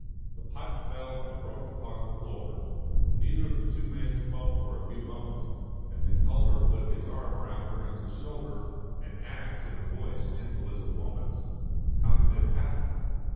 The pipe fell and broke upon the floor. Neither of the two men spoke for a few moments, and then Calder put his arm round Durrance's shoulder, and asked in a voice gentle as a woman's: "How did it happen?"